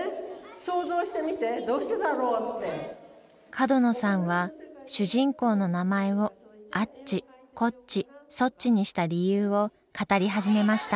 角野さんは主人公の名前をアッチコッチソッチにした理由を語り始めました。